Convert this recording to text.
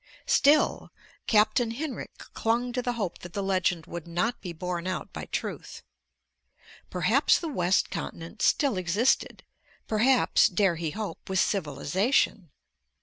Still, Captain Hinrik clung to the hope that the legend would not be borne out by truth. Perhaps the west continent still existed; perhaps, dare he hope, with civilization.